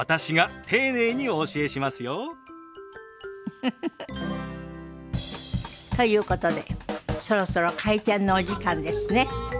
ウフフフ。ということでそろそろ開店のお時間ですね。